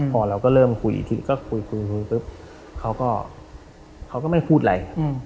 พอเราก็เริ่มคุยอีกทีก็คุยคุยปุ๊บเขาก็ไม่พูดอะไร